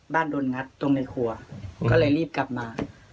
โดนงัดตรงในครัวก็เลยรีบกลับมา